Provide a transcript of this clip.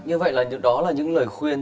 như vậy là những lời khuyên